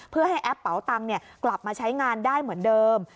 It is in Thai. เพื่อให้แอปเป๋าตังค์กลับมาใช้งานได้เหมือนเดิม